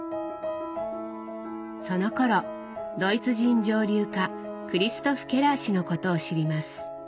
そのころドイツ人蒸留家クリストフ・ケラー氏のことを知ります。